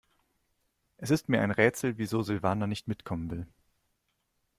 Es ist mir ein Rätsel, wieso Silvana nicht mitkommen will.